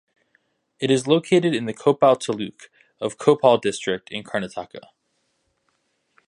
It is located in the Koppal taluk of Koppal district in Karnataka.